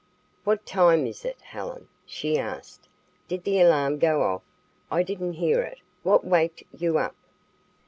"What time is it, Helen?" she asked. "Did the alarm go off? I didn't hear it. What waked you up?"